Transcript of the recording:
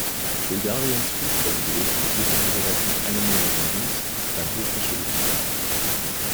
Bulgariens Fußball-Idol quittierte aber bereits nach einem Monat den Dienst beim hochverschuldeten Verein.